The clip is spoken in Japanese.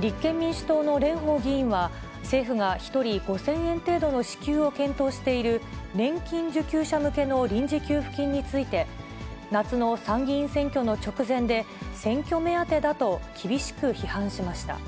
立憲民主党の蓮舫議員は、政府が１人５０００円程度の支給を検討している、年金受給者向けの臨時給付金について、夏の参議院選挙の直前で、選挙目当てだと厳しく批判しました。